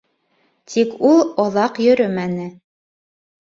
Тик ул оҙаҡ йөрөмәне.